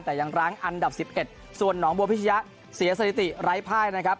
แต่ยังร้างอันดับ๑๑ส่วนหนองบัวพิชยะเสียสถิติไร้ภายนะครับ